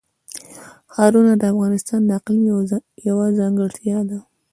ښارونه د افغانستان د اقلیم یوه ځانګړتیا ده.